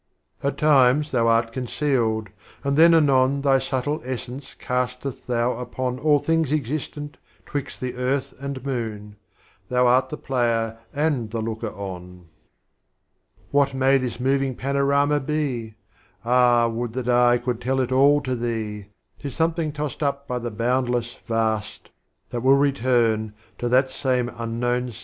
At times Thou art concealed, and then anon Thy subtle Essence casteth Thou upon All Things Existent twixt the Earth and Moon ; Thou art the Player and the Looker on. What may this Moving Panorama be? Ah would that I could tell it all to Thee; 'Tis Something tossed up by the boundless Vast, That will return to that same Unknown Sea.